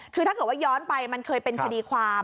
คือถ้าเกิดว่าย้อนไปมันเคยเป็นคดีความ